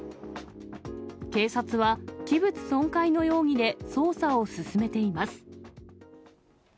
警察は、器物損壊の容疑で捜査を進めています。